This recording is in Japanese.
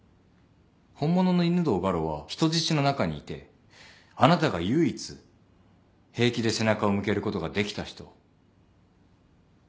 本物の犬堂ガロは人質の中にいてあなたが唯一平気で背中を向けることができた人。